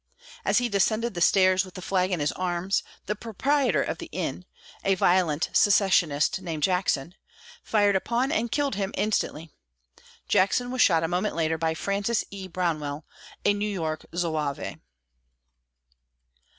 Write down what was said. As he descended the stairs with the flag in his arms, the proprietor of the inn, a violent secessionist named Jackson, fired upon and killed him instantly. Jackson was shot a moment later by Francis E. Brownell, a New York Zouave.